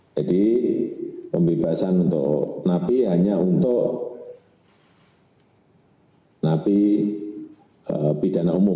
jadi pembebasan untuk napi hanya untuk napi bidana umum